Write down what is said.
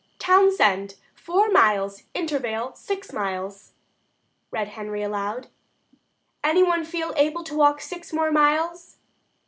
"Townsend, four miles; Intervale, six miles," read Henry aloud. "Any one feel able to walk six more miles?"